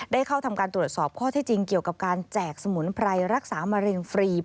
เข้าทำการตรวจสอบข้อที่จริงเกี่ยวกับการแจกสมุนไพรรักษามะเร็งฟรี